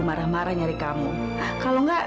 dia marah marah lagi sama kamu milah